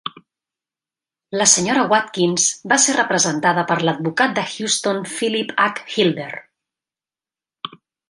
La Sra. Watkins va ser representada per l'advocat de Houston Philip H. Hilder.